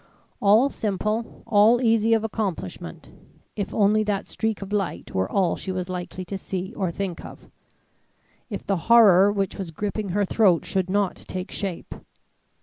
All simple, all easy of accomplishment, if only that streak of light were all she was likely to see or think of. If the horror which was gripping her throat should not take shape!